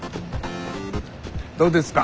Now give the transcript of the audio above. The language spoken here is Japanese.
どうですか？